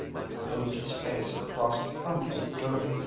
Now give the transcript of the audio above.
He moved his face across crumbling dirt.